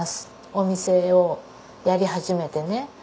お店をやり始めてね。